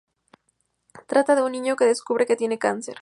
Trata de un niño que descubre que tiene cáncer.